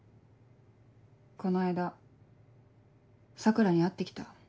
この間桜に会って来た。